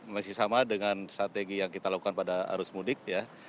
masih sama dengan strategi yang kita lakukan pada arus mudik ya